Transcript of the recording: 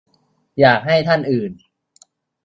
อยากให้ท่านอื่น